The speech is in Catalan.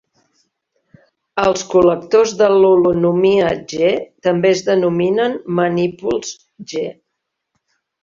Els col·lectors de l'holonomia G també es denominen manípuls G.